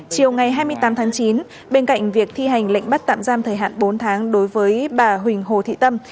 chiều ngày hai mươi tám tháng chín bên cạnh việc thi hành lệnh bắt tạm giam thời hạn bốn tháng đối với bà huỳnh hồ thị tâm